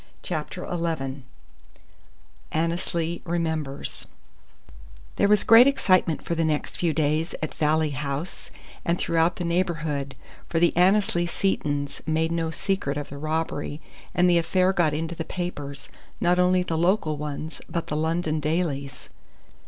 CHAPTER XI ANNESLEY REMEMBERS There was great excitement for the next few days at Valley House and throughout the neighbourhood, for the Annesley Setons made no secret of the robbery, and the affair got into the papers, not only the local ones, but the London dailies.